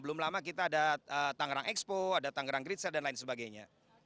belum lama kita ada tangerang expo ada tangerang great sat dan lain sebagainya